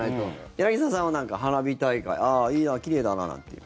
柳澤さんはなんか、花火大会いいな、奇麗だななんていう。